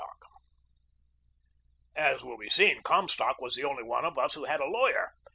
As will be seen, Cornstalk was the only one of us who had a lawyer.